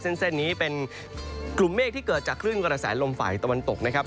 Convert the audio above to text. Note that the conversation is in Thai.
เส้นนี้เป็นกลุ่มเมฆที่เกิดจากคลื่นกระแสลมฝ่ายตะวันตกนะครับ